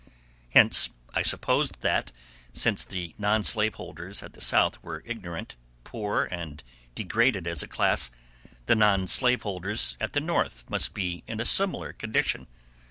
Hence I supposed that, since the non slave holders at the South were ignorant, poor, and degraded as a class, the non slave holders at the North must be in a similar condition.